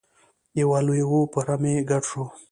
یو لیوه په رمې ګډ شو.